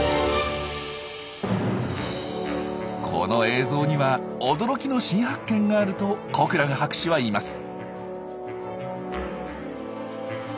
この映像には驚きの新発見があるとコクラン博士は言います。